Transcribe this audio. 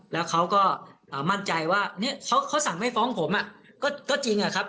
แล้วเขาก็มั่นใจว่าเนี่ยเขาสั่งไม่ฟ้องผมก็จริงอะครับ